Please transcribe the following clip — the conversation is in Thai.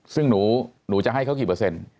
ซึ่งหนูจะให้เขากี่เปอร์เซ็นต์